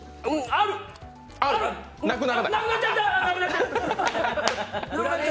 あっ、なくなっちゃった！